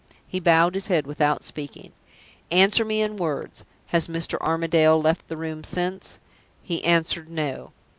He bowed his head without speaking. "Answer me in words. Has Mr. Armadale left the room since?" He answered, "No."